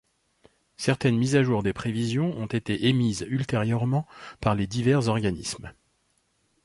Certaines mises à jour des prévisions ont été émises ultérieurement par les divers organismes.